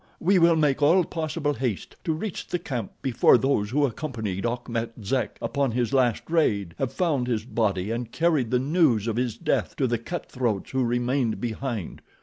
We will make all possible haste to reach the camp before those who accompanied Achmet Zek upon his last raid have found his body and carried the news of his death to the cut throats who remained behind.